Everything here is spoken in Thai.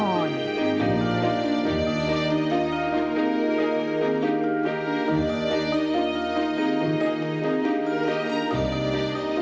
ตอนเรื่องเทพซุดโลก๒๑๑ปศ๔๒